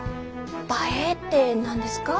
「ばえー！」って何ですか？